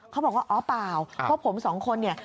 เขาบอกว่าอ๋อเปล่าพวกผมสองคนเนี่ย